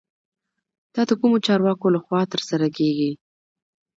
دا د کومو چارواکو له خوا ترسره کیږي؟